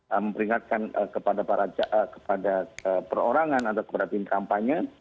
memperingatkan kepada para kepada perorangan atau kepada tim kampanye